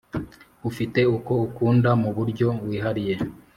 ufite uko ukunda mu buryo wihariye